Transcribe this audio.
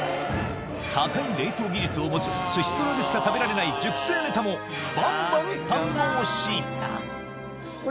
高い冷凍技術を持つ寿司虎でしか食べられない熟成ネタもバンバン堪能しあれ？